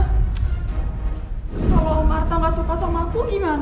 kalau om arta gak suka sama aku gimana